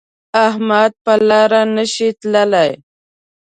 احمد په لاره نشي تللی